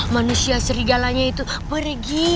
manusia serigalanya itu pergi